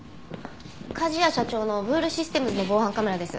梶谷社長のブールシステムズの防犯カメラです。